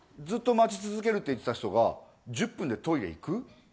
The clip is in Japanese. ずっと待ち続けるって言ってた人が１０分でトイレ行く？